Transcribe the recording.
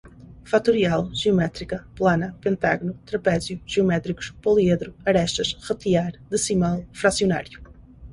fatorial, geométrica, plana, pentágono, trapézio, geométricos, poliedro, arestas, ratear, decimal, fracionário